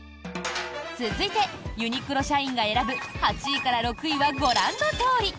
続いて、ユニクロ社員が選ぶ８位から６位はご覧のとおり。